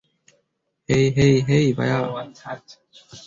হেই, hey, hey ভায়া!